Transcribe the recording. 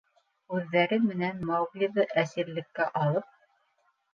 Үҙҙәре менән Мауглиҙы әсирлеккә алып...